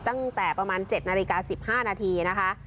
ตั้งแต่ประมาณ๗นาฬิกา๑๕นาทีนะคะ